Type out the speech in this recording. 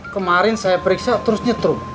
kemarin saya periksa terus nyetruk